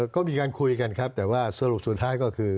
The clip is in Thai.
ก็มีการคุยกันครับแต่ว่าสรุปสุดท้ายก็คือ